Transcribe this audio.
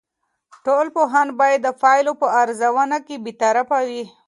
ټول پوهان باید د پایلو په ارزونه کې بیطرف وي.